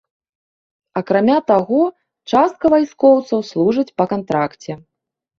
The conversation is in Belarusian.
Акрамя таго, частка вайскоўцаў служыць па кантракце.